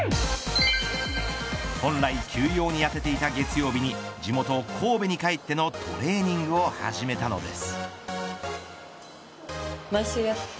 本来、休養に充てていた月曜日に地元神戸に帰ってのトレーニングを始めたのです。